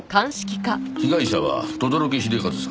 被害者は轟秀和さん。